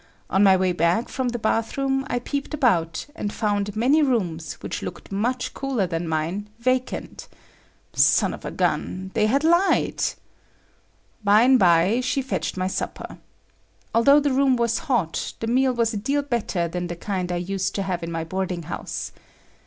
On my way back from the bathroom, I peeped about, and found many rooms, which looked much cooler than mine, vacant. Sunnovgun! They had lied. By'm by, she fetched my supper. Although the room was hot, the meal was a deal better than the kind I used to have in my boarding house.